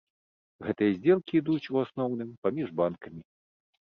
Гэтыя здзелкі ідуць, у асноўным, паміж банкамі.